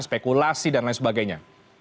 spekulasi dan lain sebagainya